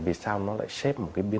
vì sao nó lại xếp một cái biên cố tiêu